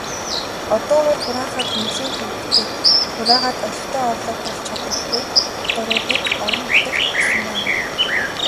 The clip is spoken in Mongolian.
Одоогоор хураахад нэлээн төвөгтэй, хураагаад олигтой орлого болж чадахгүй татваруудыг орон нутагт өгсөн байгаа.